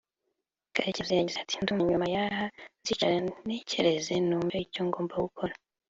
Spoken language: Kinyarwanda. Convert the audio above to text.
Karekezi yagize ati “Ndumva nyuma y’aha nzicara ntekereze numve icyo ngomba gukora